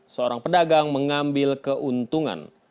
seorang pedagang mengambil keuntungan